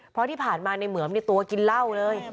เพราะที่ผ่านมาในเหมือมในตัวกินเหล้าเลย